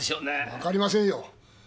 わかりませんよ！